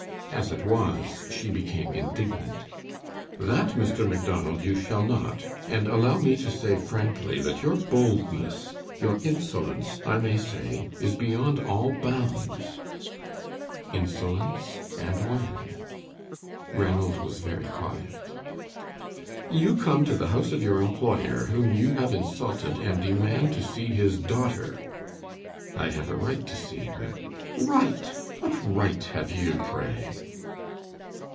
As it was she became indignant. "That, Mr. Macdonald, you shall not; and allow me to say frankly that your boldness your insolence I may say, is beyond all bounds." "Insolence, and when?" Ranald was very quiet. "You come to the house of your employer, whom you have insulted, and demand to see his daughter." "I have a right to see her." "Right? What right have you, pray?"